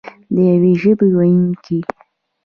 د یوې ژبې ویونکي.